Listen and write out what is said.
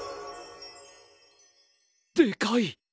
でかい！